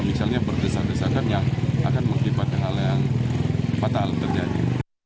misalnya berdesak desakan yang akan mengakibatkan hal yang fatal terjadi